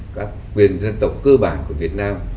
các quyền dân tộc cơ bản của việt nam